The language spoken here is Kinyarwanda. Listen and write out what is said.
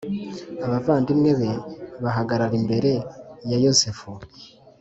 Abavandimwe be bahagarara imbere ya Yosefu